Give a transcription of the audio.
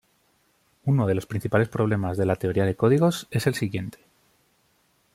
Uno de los principales problemas de la teoría de códigos es el siguiente.